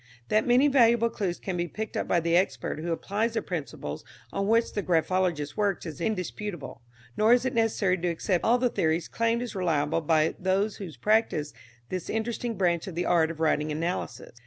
That many valuable clues can be picked up by the expert who applies the principles on which the graphologist works is indisputable, nor is it necessary to accept all the theories claimed as reliable by those who practice this interesting branch of the art of writing analysis.